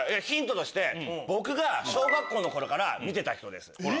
ヒントとして僕が小学校の頃から見てた人です。